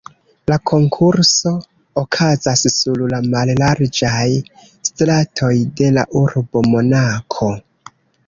La konkurso okazas sur la mallarĝaj stratoj de la urbo Monako.